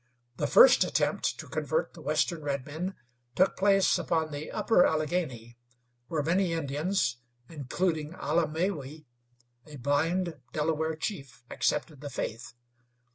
The first attempt to convert the western redmen took place upon the upper Allegheny, where many Indians, including Allemewi, a blind Delaware chief, accepted the faith.